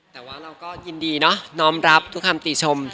แต่ว่าเราก็ยินดีเนาะน้อมรับทุกคำติชม